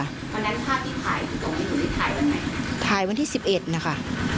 วันนั้นภาพที่ถ่ายตรงนี้ถ่ายวันไหนถ่ายวันที่สิบเอ็ดนะคะ